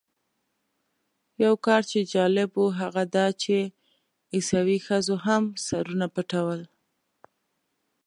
یو کار چې جالب و هغه دا چې عیسوي ښځو هم سرونه پټول.